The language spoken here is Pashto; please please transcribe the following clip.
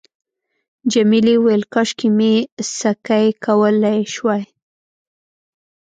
جميلې وويل:، کاشکې مې سکی کولای شوای.